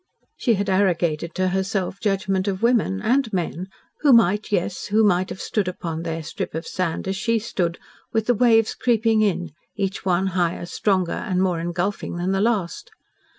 She had arrogated to herself judgment of women and men who might, yes, who might have stood upon their strip of sand, as she stood, with the waves creeping in, each one higher, stronger, and more engulfing than the last.